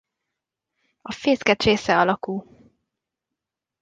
A fészke csésze alakú.